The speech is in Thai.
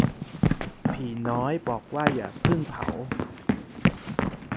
ผีน้อยบอกว่าอย่าเพิ่งเผา